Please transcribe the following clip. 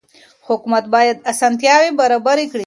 حکومت بايد اسانتياوي برابري کړي.